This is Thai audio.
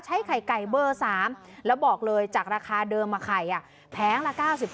ไข่ไก่เบอร์๓แล้วบอกเลยจากราคาเดิมไข่แพงละ๙๓